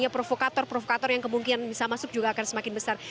provokator provokator yang kemungkinan bisa masuk juga akan semakin besar